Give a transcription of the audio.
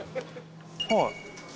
はい。